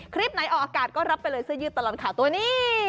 คลิปไหนออกอากาศก็รับไปเลยเสื้อยืดตลอดข่าวตัวนี้